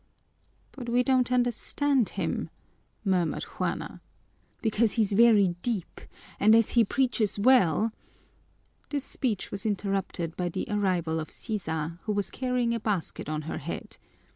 "But we don't understand him," murmured Juana. "Because he's very deep! And as he preaches well " This speech was interrupted by the arrival of Sisa, who was carrying a basket on her head.